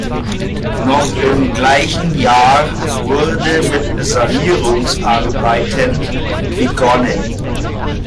Noch im gleichen Jahr wurde mit Sanierungsarbeiten begonnen.